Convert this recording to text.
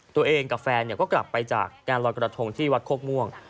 ตัวเองกับแฟนก็กลับไปจากการลอยกระทงที่วัดโคกม่วง